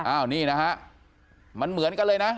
อ้าวนี่นะฮะมันเหมือนกันเลยนะ